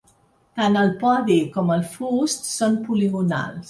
Tant el podi com el fust són poligonals.